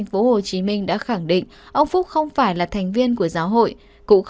vị luật sư phân tích